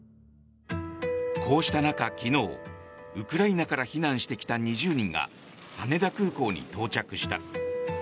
こうした中、昨日ウクライナから避難してきた２０人が羽田空港に到着した。